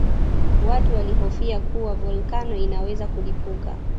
Watu walihofia kuwa volkano inaweza kulipuka